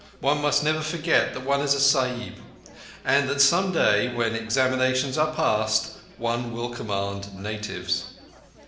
One must never forget that one is a Sahib, and that some day, when examinations are passed, one will command natives.